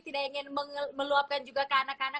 mungkin mau meluapkan juga ke anak anak